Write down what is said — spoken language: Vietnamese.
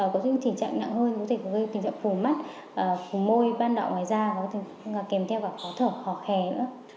có thể có tình trạng nặng hơi có thể có tình trạng phù mắt phù môi ban đạo ngoài da có thể kèm theo có thở khó khè nữa